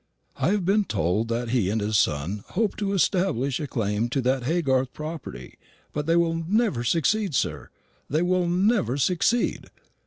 I have been told that he and his son hope to establish a claim to that Haygarth property; but they will never succeed, sir they will never succeed.